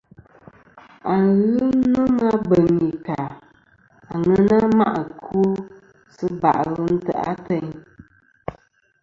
Aghɨ nomɨ a beŋ i ka àŋena ma' ɨkwo sɨ bà'lɨ ntè' ateyn.